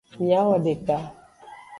Miawodeka.